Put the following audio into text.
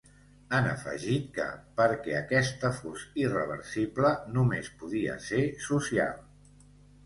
Han afegit que, perquè aquesta fos ‘irreversible’, només podia ser ‘social’.